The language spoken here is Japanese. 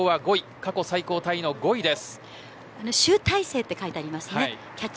過去最高タイの５位です。